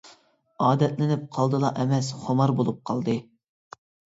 ئادەتلىنىپ قالدىلا ئەمەس خۇمار بولۇپ قالدى.